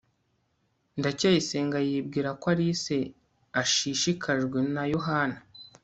ndacyayisenga yibwira ko alice ashishikajwe na yohana